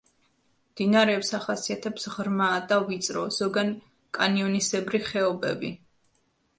მდინარეებს ახასიათებს ღრმა და ვიწრო, ზოგან კანიონისებრი ხეობები.